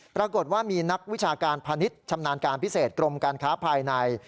ปรากฏว่ามีนักวิชาการพาณิชย์ชำนาญการพิเศษกรมการค้าภายใน